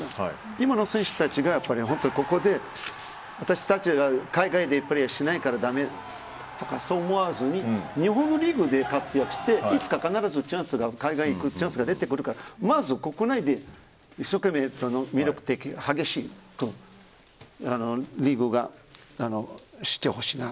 今の選手たちが私たちが海外でプレーしないからだめとかそう思わずに日本のリーグで活躍していつか必ず海外に行くチャンスが出てくるからまず国内で一生懸命、魅力的で激しいリーグを知ってほしいなと。